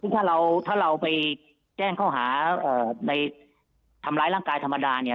ถ้าเราไปแจ้งเข้าหาในทำร้ายร่างกายธรรมดา